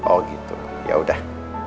oh gitu yaudah